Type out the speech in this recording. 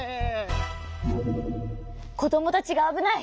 こどもたちがあぶない！